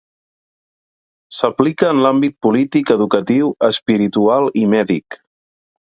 S'aplica en l'àmbit polític, educatiu, espiritual i mèdic.